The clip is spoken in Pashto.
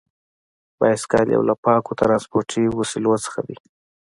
بایسکل یو له پاکو ترانسپورتي وسیلو څخه دی.